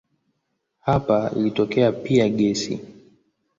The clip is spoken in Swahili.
Hapa ilitokea pia gesi.